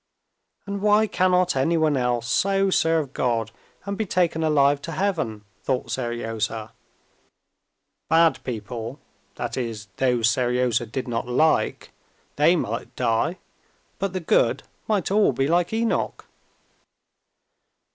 "And why cannot anyone else so serve God and be taken alive to heaven?" thought Seryozha. Bad people, that is those Seryozha did not like, they might die, but the good might all be like Enoch.